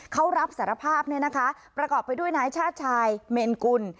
เขารับสารภาพเนี่ยนะคะประกอบไปด้วยนายชาติชายเมนกุล